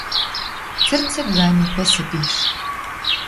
Цӹрцӹк ганьы, пӹсӹ пиш.